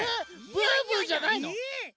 ブーブーじゃないの？